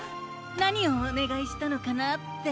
なにをおねがいしたのかなって。